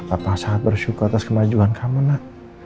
apa sangat bersyukur atas kemajuan kamu nak